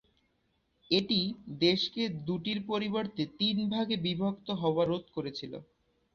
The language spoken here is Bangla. এটি দেশকে দুটির পরিবর্তে তিন ভাগে বিভক্ত হওয়া রোধ করেছিল।